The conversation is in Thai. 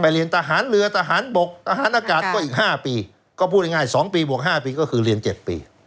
ไปเรียนทหารเหลือทหารบกทหารอากาศก็อีกห้าปีก็พูดง่ายง่ายสองปีบวกห้าปีก็คือเรียนเจ็ดปี